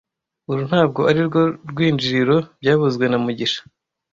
Uru ntabwo arirwo rwinjiriro byavuzwe na mugisha